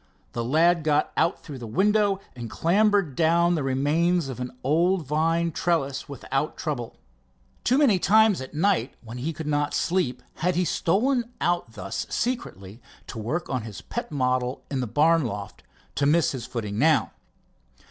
The lad got out through the window and clambered down the remains of an old vine trellis without trouble. Too many times at night when he could not sleep had he stolen out thus secretly to work on his pet model in the barn loft, to miss his footing now.